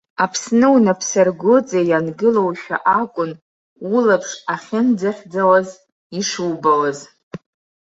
Аԥсны унапсыргәыҵа иангылоушәа акәын улаԥш ахьынӡахьӡауаз ишубауаз.